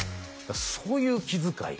そういう気遣い